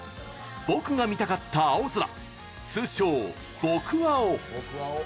僕が見たかった青空、通称・僕青。